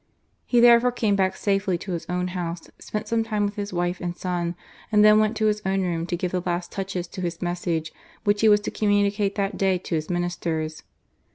He there fore came back safely to his own house, spent some time with his wife and son, and then went to his own room to give the last touches to his message, which he was to communicate that day to his Ministers.